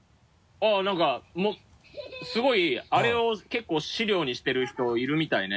何かすごいあれを結構資料にしてる人いるみたいね。